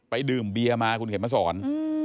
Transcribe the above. ดื่มเบียร์มาคุณเข็มมาสอน